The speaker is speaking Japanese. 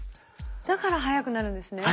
だから早くなるんですね。